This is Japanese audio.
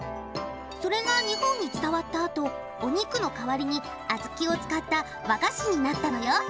それが日本に伝わったあとお肉の代わりに小豆を使った和菓子になったのよ！